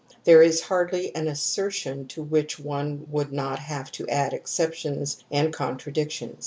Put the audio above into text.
There is hardly an asser tion to which one would not have to add exceptions and contra dictions.